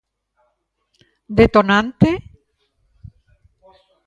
Detonante?